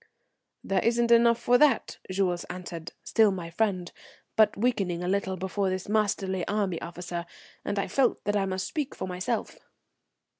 "There isn't enough for that," Jules answered, still my friend, but weakening a little before this masterly army officer, and I felt that I must speak for myself.